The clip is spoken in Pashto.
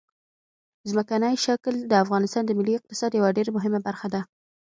ځمکنی شکل د افغانستان د ملي اقتصاد یوه ډېره مهمه برخه ده.